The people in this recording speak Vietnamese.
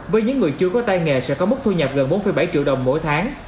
với những người chưa có tay nghề sẽ có mức thu nhập gần bốn bảy triệu đồng mỗi tháng